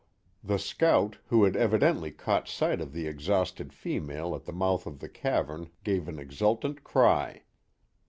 The scout, who had evidently caught sight of the exhausted female at the mouth of the cavern, gave an exultant cry.